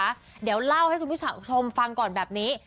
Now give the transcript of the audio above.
ก็ต้องเล่าให้ภบคุณผู้ชมฟังก่อนแบบนี้